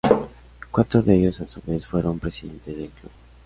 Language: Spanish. Cuatro de ellos, a su vez, fueron presidentes del Club.